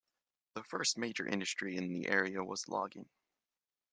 The first major industry in the area was logging.